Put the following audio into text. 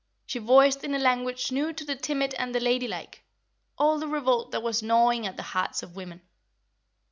She voiced in a language new to the timid and the ladylike, all the revolt that was gnawing at the hearts of women.